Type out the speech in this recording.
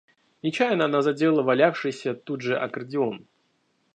Нечаянно она задела валявшийся тут же аккордеон.